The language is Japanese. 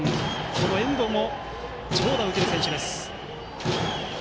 この遠藤も長打を打てる選手です。